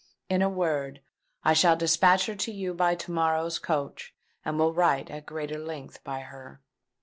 In a word, I shall despatch her to you by to morrow's coach; and will write at greater length by her.